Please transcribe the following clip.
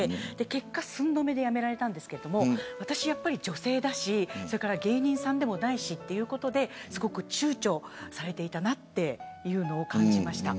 結果、寸止めでやめられたんですけれども私は女性だし芸人さんでもないしということですごく、ちゅうちょされていたなというのを感じました。